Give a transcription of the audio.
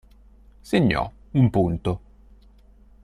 Segnò un punto.